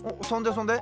そんで？